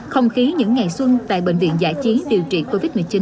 không khí những ngày xuân tại bệnh viện giải chiến điều trị covid một mươi chín